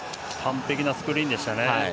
完璧なスクリーンでしたね。